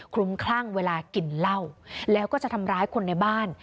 ลุ้มคลั่งเวลากินเหล้าแล้วก็จะทำร้ายคนในบ้าน